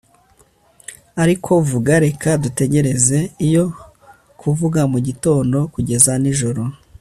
ariko vuga reka dutekereze iyo, kuva mu gitondo kugeza nijoro